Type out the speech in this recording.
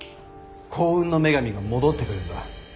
幸運の女神が戻ってくるんだ。